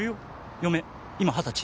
嫁今二十歳。